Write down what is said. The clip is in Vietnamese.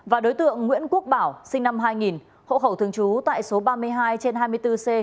và đối tượng nguyễn quốc bảo sinh năm hai nghìn hộ khẩu thường trú tại số ba mươi hai trên hai mươi bốn c